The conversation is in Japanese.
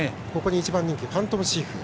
１番人気ファントムシーフ